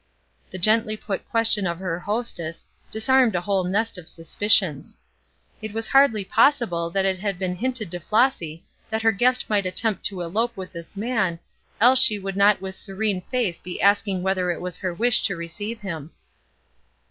The gently put question of her hostess disarmed a whole nest of suspicions. It was hardly possible that it had been hinted to Flossy that her guest might attempt to elope with this man, else she would not with serene face be asking whether it was her wish to receive him.